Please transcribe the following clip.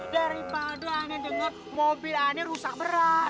daripada aneh denger mobil aneh rusak berat